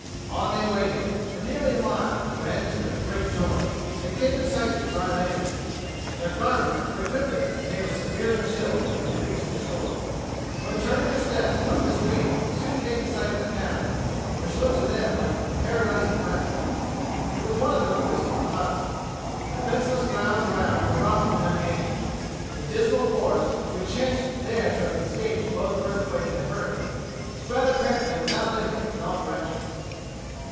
On they waded, for nearly a mile, when, to their great joy, they came in sight of dry land. Their garments were dripping and they were severely chilled as they reached the shore. But turning their steps up the stream, they soon came in sight of the cabin, which looked to them like a paradise of rest. It was one of the rudest of huts. The fenceless grounds around were rough and ungainly. The dismal forest, which chanced there to have escaped both earthquake and hurricane, spread apparently without limits in all directions.